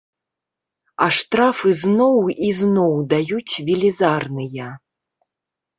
А штрафы зноў і зноў даюць велізарныя.